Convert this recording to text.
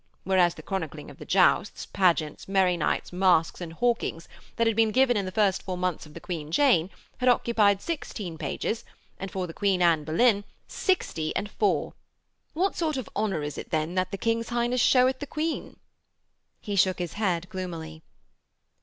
Whereas the chronicling of the jousts, pageants, merry nights, masques and hawkings that had been given in the first four months of the Queen Jane had occupied sixteen pages, and for the Queen Anne Boleyn sixty and four. 'What sort of honour is it, then, that the King's Highness showeth the Queen?' He shook his head gloomily.